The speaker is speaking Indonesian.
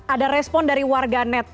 ada respon dari warga net